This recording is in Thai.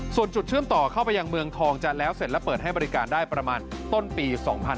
ส่วนจุดเชื่อมต่อเข้าไปยังเมืองทองจะแล้วเสร็จและเปิดให้บริการได้ประมาณต้นปี๒๕๕๙